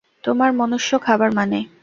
তোমার মনুষ্য খাবার মানে?